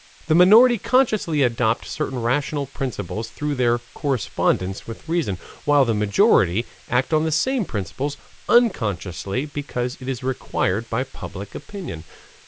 The minority consciously adopt certain rational principles through their correspondence with reason, while the majority act on the same principles unconsciously because it is required by public opinion.